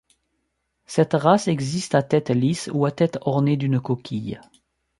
Cette race existe à tête lisse ou à tête ornée d'une coquille.